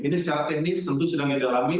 ini secara teknis tentu sedang didalami